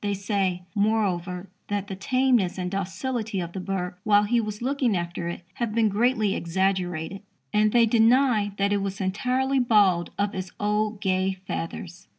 They say, moreover, that the tameness and docility of the bird, while he was looking after it, have been greatly exaggerated, and they deny that it was entirely bald of its old gay feathers.